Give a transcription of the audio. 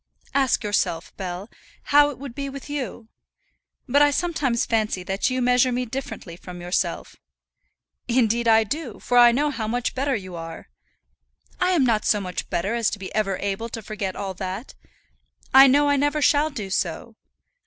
"Ask yourself, Bell, how it would be with you. But I sometimes fancy that you measure me differently from yourself." "Indeed I do, for I know how much better you are." "I am not so much better as to be ever able to forget all that. I know I never shall do so.